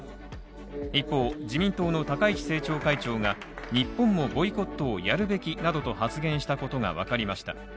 一方、自民党の高市政調会長が、日本もボイコットをやるべきなどと発言したことがわかりました。